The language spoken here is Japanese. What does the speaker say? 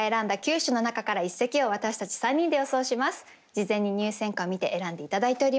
事前に入選歌を見て選んで頂いております。